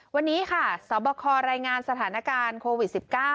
วันนี้ค่ะสบครายงานสถานการณ์โควิด๑๙